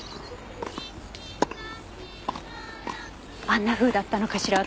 あんなふうだったのかしら？